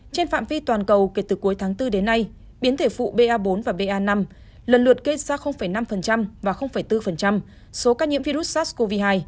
trên phạm vi toàn cầu kể từ cuối tháng bốn đến nay biến thể phụ ba bốn và ba năm lần lượt gây ra năm và bốn số ca nhiễm virus sars cov hai